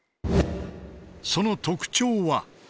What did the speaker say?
その特徴は？